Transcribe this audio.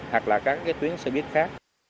hoặc là các tuyến xe buýt khác